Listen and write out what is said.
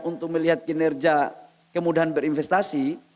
untuk melihat kinerja kemudahan berinvestasi